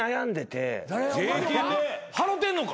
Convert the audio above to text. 払うてんのか？